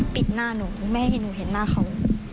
ปิดหน้าหนูไม่ให้เห็นหนูเห็นหน้าเขา